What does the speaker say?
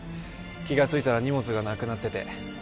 気が付いたら荷物がなくなってて。